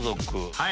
はい。